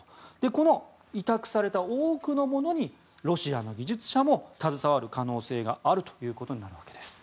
この委託された多くのものにロシアの技術者も携わる可能性があるということになるわけです。